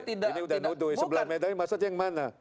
ini udah nuduh ya sebelah bedanya maksudnya yang mana